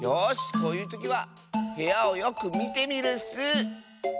こういうときはへやをよくみてみるッス！